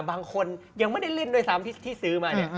บางคนยังไม่ได้เล่นด้วยซ้ำที่ซื้อมาเนี่ย